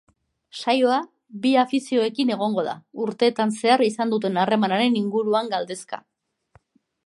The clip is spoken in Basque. Saioa bi afizioekin egongo da, urteetan zehar izan duten harremanaren inguruan galdezka.